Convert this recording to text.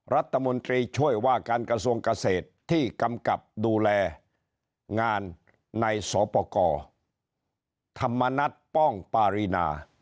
รัฐมนตรีช่วยว่าการกระทรวงเกษตรที่กำกับดูแลงานในสปกรธรรมนัฐป้องปารีนา